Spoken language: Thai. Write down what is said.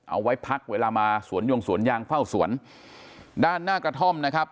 เอาไว้พักเวลามาสวนยงสวนยางเฝ้าสวนด้านหน้ากระท่อมนะครับ